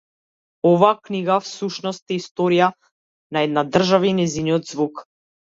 Оваа книга, всушност, е историја на една држава и нејзиниот звук.